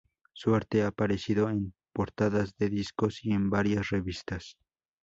Su arte ha aparecido en portadas de discos, y en varias revistas.